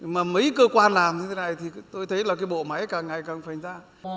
mà mấy cơ quan làm như thế này thì tôi thấy là cái bộ máy càng ngày càng phành ra